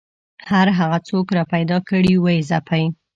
هر هغه څوک راپیدا کړي ویې ځپي